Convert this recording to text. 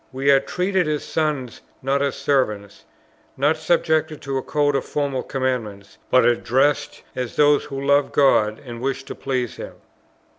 We are treated as sons, not as servants; not subjected to a code of formal commandments, but addressed as those who love God, and wish to please Him."